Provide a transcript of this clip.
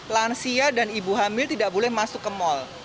lansia dan ibu hamil tidak boleh masuk ke mal